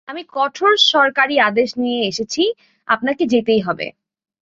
আমি কঠোর সরকারি আদেশ নিয়ে এসেছি আপানাকে যেতেই হবে।